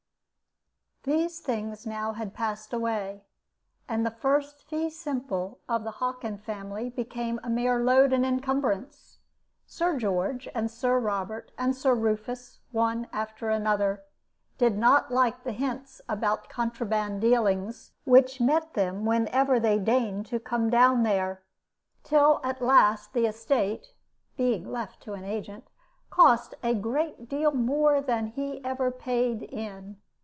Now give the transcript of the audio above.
These things now had passed away, and the first fee simple of the Hockin family became a mere load and incumbrance. Sir George and Sir Robert and Sir Rufus, one after another, did not like the hints about contraband dealings which met them whenever they deigned to come down there, till at last the estate (being left to an agent) cost a great deal more than he ever paid in.